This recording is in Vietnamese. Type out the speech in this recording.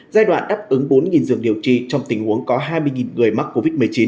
giai đoạn đáp ứng bốn giường điều trị trong tình huống có hai mươi người mắc covid một mươi chín